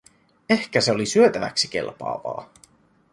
Ehkä se oli syötäväksi kelpaavaa.